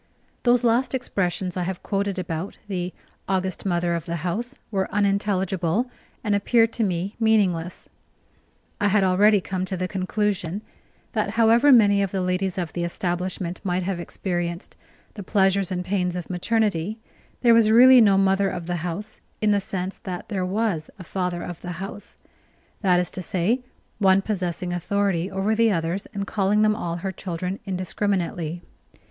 Those last expressions I have quoted about the "august Mother of the house" were unintelligible, and appeared to me meaningless. I had already come to the conclusion that however many of the ladies of the establishment might have experienced the pleasures and pains of maternity, there was really no mother of the house in the sense that there was a father of the house: that is to say, one possessing authority over the others and calling them all her children indiscriminately.